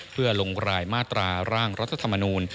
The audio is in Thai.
เพื่อลงรายมาตราร่างรัฐธรรมนูล